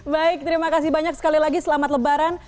baik terima kasih banyak sekali lagi selamat lebaran